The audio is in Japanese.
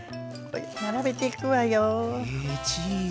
並べていくわよ。